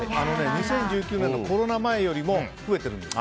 ２０１９年のコロナ前よりも増えているんです。